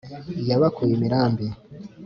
Yabakuye imirambi